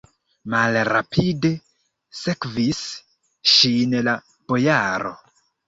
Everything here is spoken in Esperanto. Malrapide sekvis ŝin la bojaro.